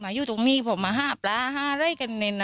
มาอยู่ตรงนี้ผมมาห้าปลาห้าเล่นกันเนี่ย